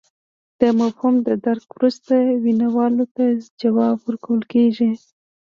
د مفهوم د درک وروسته ویناوال ته ځواب ویل کیږي